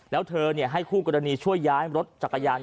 แล้วเธอให้คู่กรณีช่วยย้ายรถจักรยาน